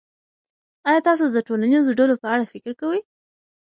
آیا تاسو د ټولنیزو ډلو په اړه فکر کوئ.